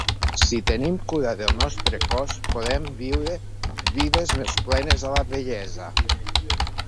Si tenim cura del nostre cos, podem viure vides més plenes a la vellesa.